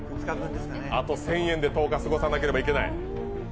あと１０００円で１０日過ごさなければいけない。